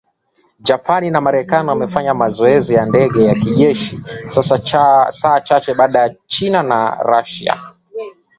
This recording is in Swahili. Japan na Marekani wamefanya mazoezi ya ndege za kijeshi saa chache baada ya China na Russia